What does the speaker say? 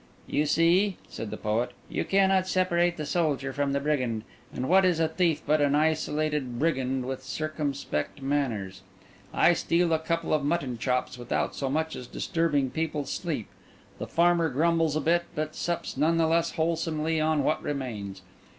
"You see," said the poet, "you cannot separate the soldier from the brigand; and what is a thief but an isolated brigand with circumspect manners? I steal a couple of mutton chops, without so much as disturbing people's sleep; the farmer grumbles a bit, but sups none the less wholesomely on what remains.